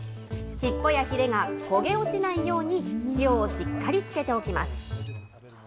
尻尾やひれが焦げ落ちないように、塩をしっかりつけておきます。